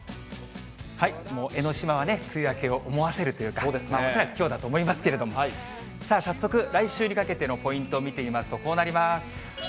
もう江の島は梅雨明けを思わせるという、恐らくきょうだと思いますけど、早速、来週にかけてのポイント見てみますと、こうなります。